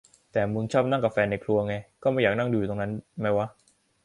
แต่มึงชอบนั่งกะแฟนในครัวไง~~ ก็ไม่อยากนั่งอยู่ตรงนั้นไหมวะ